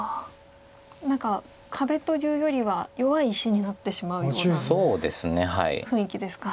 何か壁というよりは弱い石になってしまうような雰囲気ですか。